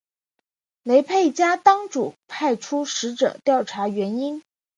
雷沛家当主派出使者调查原因。